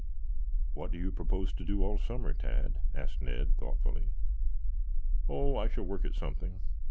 "What do you propose to do all summer, Tad?" asked Ned thoughtfully. "Oh, I shall work at something.